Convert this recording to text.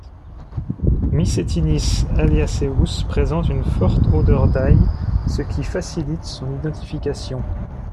Mycetinis alliaceus présente une forte odeur d'ail ce qui facilite son identification.